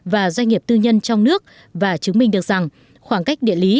và doanh nghiệp tư nhân trong nước và chứng minh được rằng khoảng cách địa lý